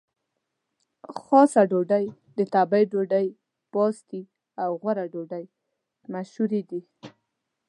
خاصه ډوډۍ، د تبۍ ډوډۍ، پاستي او غوړه ډوډۍ مشهورې دي.